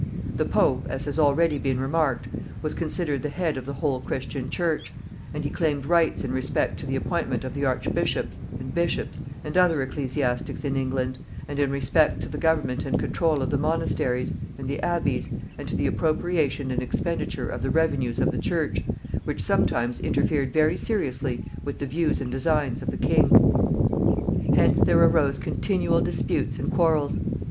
The Pope, as has already been remarked, was considered the head of the whole Christian Church, and he claimed rights in respect to the appointment of the archbishops, and bishops, and other ecclesiastics in England, and in respect to the government and control of the monasteries, and the abbeys, and to the appropriation and expenditure of the revenues of the Church, which sometimes interfered very seriously with the views and designs of the king. Hence there arose continual disputes and quarrels.